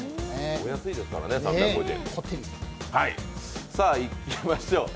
お安いですからね３５０円。